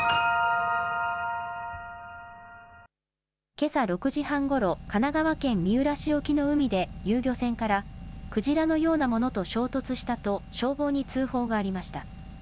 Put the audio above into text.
けさ６時半ごろ神奈川県三浦市沖の海で遊漁船からクジラのようなものと衝突したと消防に通報がありました。